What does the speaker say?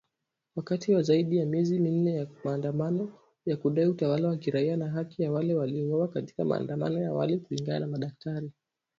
Wakati wa zaidi ya miezi minne ya maandamano ya kudai utawala wa kiraia na haki kwa wale waliouawa katika maandamano ya awali kulingana na madaktari